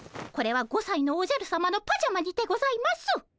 これは５さいのおじゃるさまのパジャマにてございます。